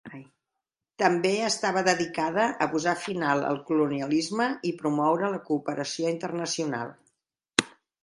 També estava dedicada a posar final al colonialisme i promoure la cooperació internacional.